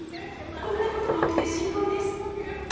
こんなことが起きて心配です。